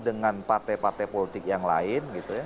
dengan partai partai politik yang lain